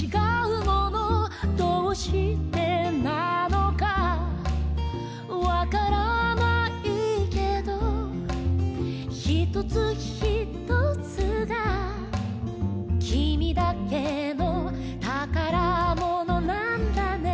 「どうしてなのかわからないけど」「ひとつひとつがきみだけのたからものなんだね」